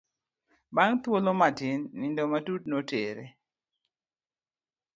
Bang' thuolo matin nindo matut notera.